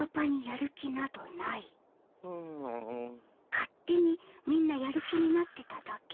勝手にみんなやる気になってただけ？